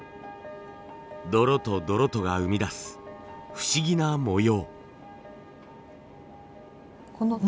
泥と泥とが生み出す不思議な模様。